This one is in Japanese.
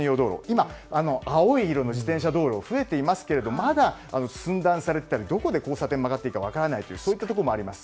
今、青い色の自転車道路が増えていますけれどもまだ寸断されていたりどこで交差点を曲がっていいか分からないなどそういったところもあります。